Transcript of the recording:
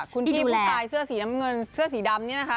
คุณพี่ผู้ชายเสื้อสีน้ำเงินเสื้อสีดำนี่นะคะ